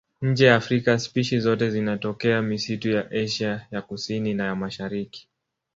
Nje ya Afrika spishi zote zinatokea misitu ya Asia ya Kusini na ya Mashariki.